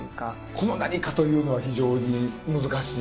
この何かというのは非常に難しい。